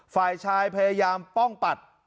ฝ่ายชายพยายามป้องปัด